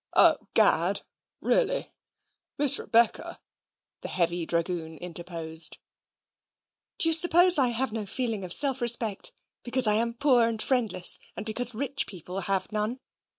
"O Gad really Miss Rebecca," the heavy dragoon interposed. "Do you suppose I have no feeling of self respect, because I am poor and friendless, and because rich people have none?